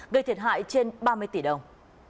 gây thiệt hại trên ba mươi tỷ đồng